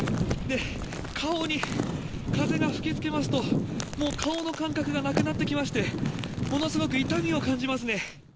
顔に風が吹きつけますと、もう顔の感覚がなくなってきまして、ものすごく痛みを感じますね。